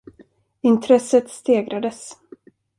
Intresset stegrades.